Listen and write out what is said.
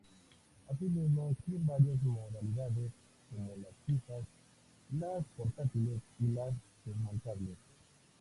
Asimismo, existen varias modalidades, como las fijas, las portátiles y las desmontables.